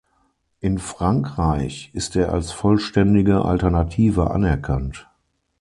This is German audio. In Frankreich ist er als vollständige Alternative anerkannt.